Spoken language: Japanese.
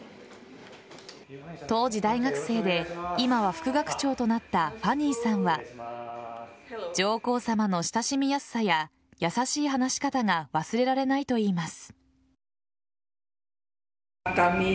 当時、大学生で今は副学長となったファニーさんは上皇さまの親しみやすさや優しい話し方が忘れられないと言います。